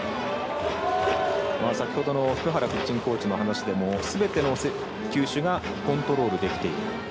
先ほどの福原ピッチングコーチの話でもすべての球種がコントロールできている。